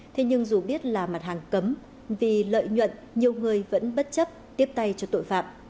thế nhưng dù biết là mặt hàng cấm vì lợi nhuận nhiều người vẫn bất chấp tiếp tay cho tội phạm